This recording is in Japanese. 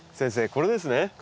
これです。